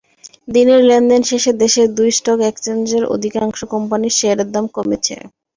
দিনের লেনদেন শেষে দেশের দু্ই স্টক এক্সচেঞ্জের অধিকাংশ কোম্পানির শেয়ারের দাম কমেছে।